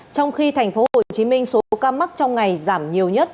trong khi thành phố hồ chí minh số ca mắc trong ngày giảm nhiều nhất